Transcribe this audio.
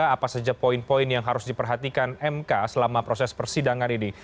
apa saja poin poin yang harus diperhatikan mk selama proses persidangan ini